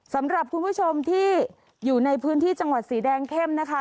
สำหรับคุณผู้ชมที่อยู่ในพื้นที่จังหวัดสีแดงเข้มนะคะ